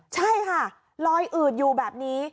ใช่ค่ะลอยอืดอยู่แบบนี้